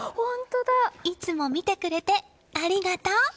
いつも見てくれて、ありがとう！